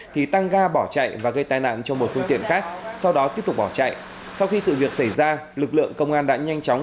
thì tăng ga bỏ chạy và gây tai nạn cho một phương tiện khác sau đó tiếp tục bỏ chạy sau khi sự việc xảy ra lực lượng công an đã nhanh chóng